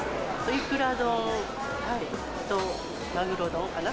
イクラ丼とマグロ丼かな。